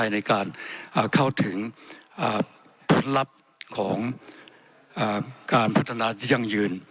ในการเข้าถึงเคล็ดลับของการพัฒนาที่ยั่งยืน